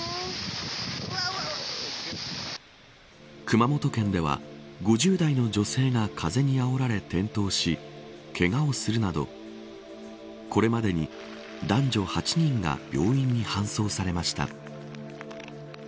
熊本県では５０代の女性が風にあおられ転倒しけがをするなどこれまでに男女８人が病院に搬送されました。